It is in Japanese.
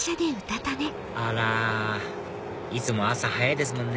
あらいつも朝早いですもんね